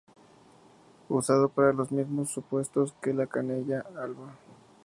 Usado para los mismos supuestos que la "Canella alba".